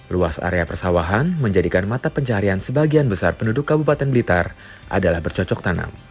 luas area persawahan menjadikan mata pencarian sebagian besar penduduk kabupaten blitar adalah bercocok tanam